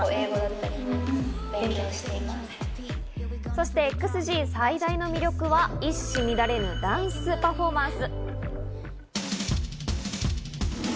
そして、ＸＧ最大の魅力は一糸乱れぬダンスパフォーマンス。